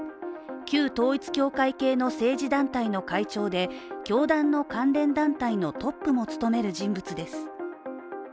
旧統一教会系の政治団体の会長で、教団の関連団体のトップも務める人物です。